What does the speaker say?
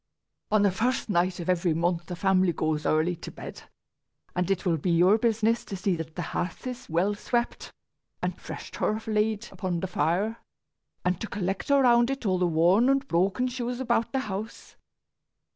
"On the first night of every month the family goes early to bed, and it will be your business to see that the hearth is well swept, and fresh turf laid upon the fire, and to collect around it all the worn or broken shoes about the house.